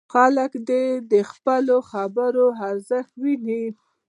خلک دې د خپلو خبرو ارزښت وویني.